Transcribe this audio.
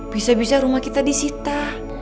bisa bisa rumah kita disita